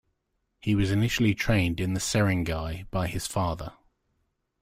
He was initially trained in the sarangi by his father.